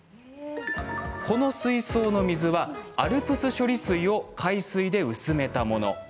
この水槽の水はＡＬＰＳ処理水を海水で薄めたもの。